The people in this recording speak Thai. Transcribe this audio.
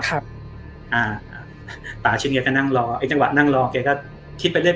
ครับอ่าป่าชิงเงียก็นั่งรอเอ้ยจังหวะนั่งรอเขาก็คิดไปเรื่อย